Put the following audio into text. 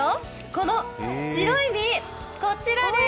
この白い実、こちらです。